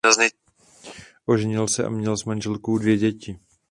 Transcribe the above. Oženil se a měl s manželkou dvě děti.